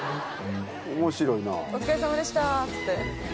「お疲れさまでした」っつって。